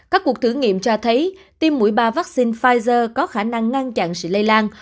các cuộc thử nghiệm cho thấy tiêm mũi ba vaccine pfizer có khả năng ngăn chặn sự lây lan